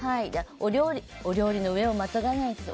お料理の上をまたがないんです。